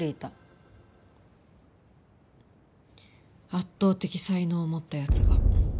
圧倒的才能を持った奴が。